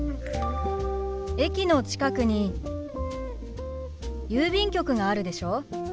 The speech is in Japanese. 駅の近くに郵便局があるでしょ。